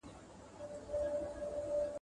له ژرندي زه راځم، غوږونه ستا سپېره دي.